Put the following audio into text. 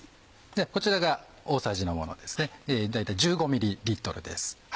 こちらが大さじのものですね大体１５ｍです。